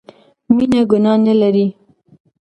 مينه ګناه نه لري